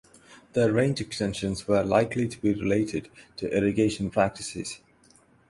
Their range extensions were likely to be related to irrigation practices.